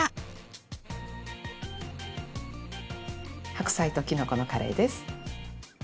白菜ときのこのカレーです！